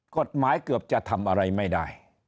กฎหมายเกือบจะทำอะไรไม่ได้